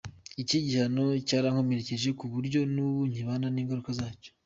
Iki gihano cyarankomerekeje ku buryo n’ubu nkibana n’ingaruka zacyo.